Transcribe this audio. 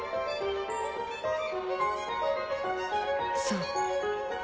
そう。